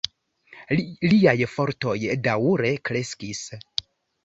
Liaj fortoj daŭre kreskis.